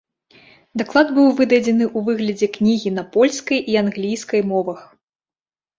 Даклад быў выдадзены ў выглядзе кнігі на польскай і англійскай мовах.